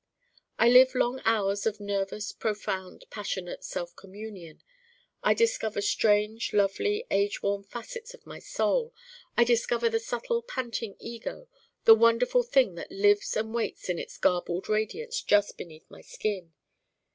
I live long hours of nervous profound passionate self communion. I discover strange lovely age worn facets of my Soul. I discover the subtle panting Ego the wonderful thing that lives and waits in its garbled radiance just beneath my skin.